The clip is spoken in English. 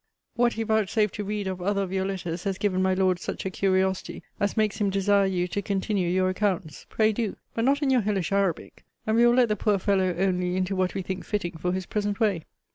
What he vouchsafed to read of other of your letters has given my Lord such a curiosity as makes him desire you to continue your accounts. Pray do; but not in your hellish Arabic; and we will let the poor fellow only into what we think fitting for his present way.